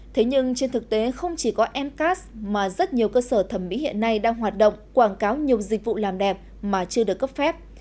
thế nhưng trên thực tế không chỉ có mcas mà rất nhiều cơ sở thẩm mỹ hiện nay đang hoạt động quảng cáo nhiều dịch vụ làm đẹp mà chưa được cấp phép